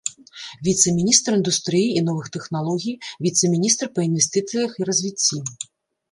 Віцэ-міністр індустрыі і новых тэхналогій, віцэ-міністр па інвестыцыях і развіцці.